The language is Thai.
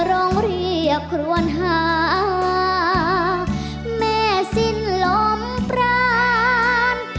ร้องเรียกครวนหาแม่สิ้นลมปราน